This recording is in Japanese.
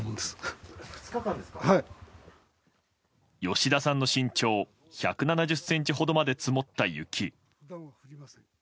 吉田さんの身長１７０ｃｍほどまで積もった雪。